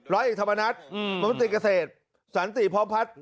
ร้อยธรรมนัฏลังพลังติกเศษศาลนิติพร้อมพัฒน์